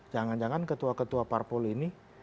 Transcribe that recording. jangan jangan ketua ketua parpol ini